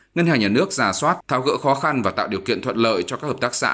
ngân hàng nhà nước giả soát thao gỡ khó khăn và tạo điều kiện thuận lợi cho các hợp tác xã